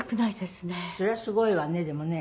それはすごいわねでもね。